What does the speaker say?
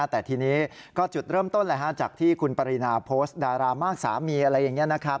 แต่ทีนี้ก็จุดเริ่มต้นจากที่คุณปรินาโพสต์ดารามากสามีอะไรอย่างนี้นะครับ